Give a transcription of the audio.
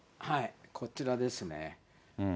こちらですね。